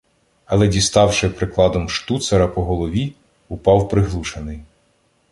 Але, діставши прикладом штуцера по голові, упав приглушений.